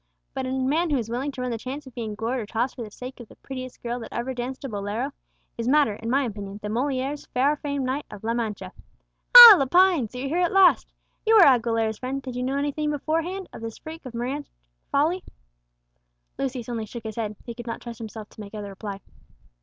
But a man who is willing to run the chance of being gored or tossed for the sake of the prettiest girl that ever danced a bolero, is madder, in my opinion, than Molière's far famed knight of La Mancha. Ah! Lepine, so you're here at last. You are Aguilera's friend; did you know anything beforehand of this freak of romantic folly?" Lucius only shook his head; he could not trust himself to make other reply.